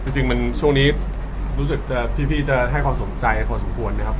จริงมันช่วงนี้รู้สึกพี่จะให้ความสนใจพอสมควรนะครับ